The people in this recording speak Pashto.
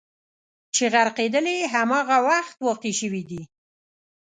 چې غرقېدل یې همغه وخت واقع شوي دي.